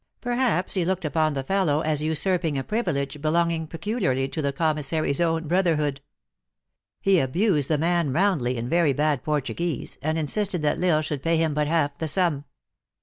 Perhaps he looked upon the fellow as usurping a privilege be 8* 186 THE ACTRESS IN HIGH LIFE. longing peculiarly to the commissary s own brother hood. He abused the man roundly in very bad Por tuguese, and insisted that L lsle should pay him but half the sum.